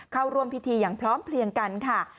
เข้าร่วมพิธีอย่างพร้อมเพลียงกันค่ะ